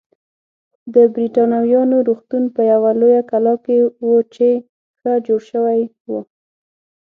د بریتانویانو روغتون په یوه لویه کلا کې و چې ښه جوړه شوې وه.